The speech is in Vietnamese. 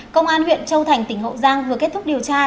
công an huyện châu thành tỉnh hậu giang vừa kết thúc điều tra